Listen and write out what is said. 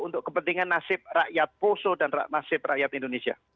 untuk kepentingan nasib rakyat poso dan nasib rakyat indonesia